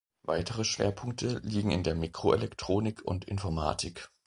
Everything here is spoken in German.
Weitere Schwerpunkte liegen in der Mikroelektronik und Informatik.